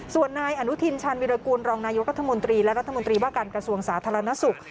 ส่วนนายอนุทินชาญวิรากูลรองนายกรัฐมนตรีและรัฐมนตรีว่าการกระทรวงสาธารณสุข